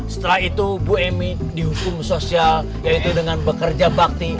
setelah itu bu emy dihukum sosial yaitu dengan bekerja bakti